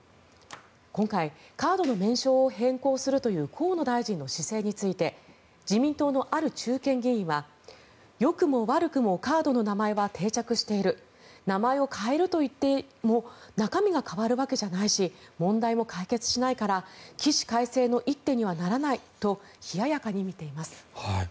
今回、カードの名称を変更するという河野大臣の姿勢について自民党のある中堅議員はよくも悪くもカードの名前は定着している名前を変えるといっても中身が変わるわけじゃないし問題も解決しないから起死回生の一手にはならないと冷ややかに見ています。